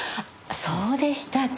そうでしたか。